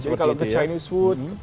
jadi kalau ke chinese food